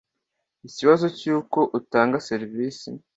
ikibazo cy uko utanga serivisi